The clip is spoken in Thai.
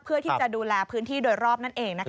เพื่อที่จะดูแลพื้นที่โดยรอบนั่นเองนะคะ